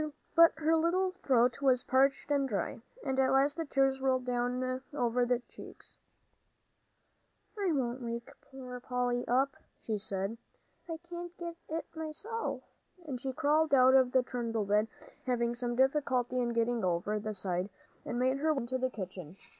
But her little throat was parched and dry, and at last the tears rolled over the round cheeks. "I won't wake poor Polly up," she said; "I can get it myself," and she crawled out of the trundle bed, having some difficulty in getting over the side, and made her way out into the kitchen.